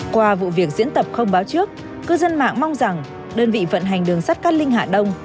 qua vụ việc diễn tập không báo trước cư dân mạng mong rằng đơn vị vận hành đường sắt cát linh hạ đông